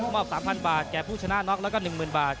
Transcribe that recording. ๓๐๐บาทแก่ผู้ชนะน็อกแล้วก็๑๐๐๐บาท